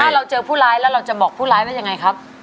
ถ้าเราเจอผู้ร้ายแล้วเราจะบอกผู้ร้ายว่ายังไงครับ